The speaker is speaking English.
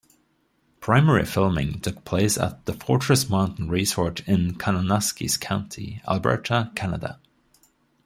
Primary filming took place at the Fortress Mountain Resort in Kananaskis Country, Alberta, Canada.